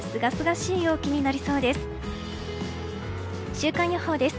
週間予報です。